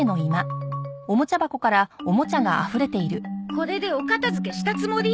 これでお片づけしたつもり？